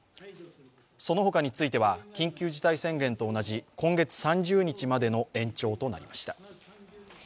その他については、緊急事態宣言と同じ今月３０日までの延長となりました。